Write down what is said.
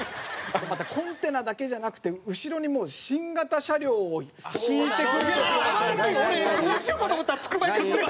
またコンテナだけじゃなくて後ろにもう新型車両を引いてくる。